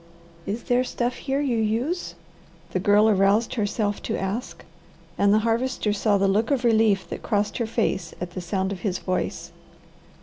"Is there stuff here you use?" the Girl aroused herself to ask, and the Harvester saw the look of relief that crossed her face at the sound of his voice.